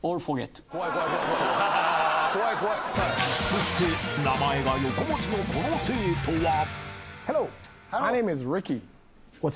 ［そして名前が横文字のこの生徒は］